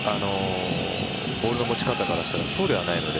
ボールの持ち方からしたらそうではないので